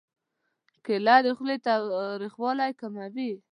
کېله د خولې تریخوالی کموي.